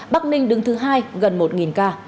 bắc ninh đứng thứ hai gần một ca